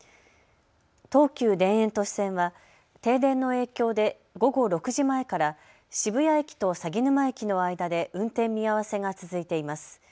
東急田園都市線は停電の影響で午後６時前から渋谷駅と鷺沼駅の間で運転見合わせが続いています。